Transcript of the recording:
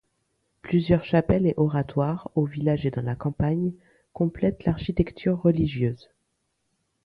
Plusieurs chapelles et oratoires, au village et dans la campagne, complètent l’architecture religieuse.